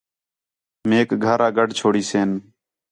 میک گھر آ گڈھ چھوڑیسیں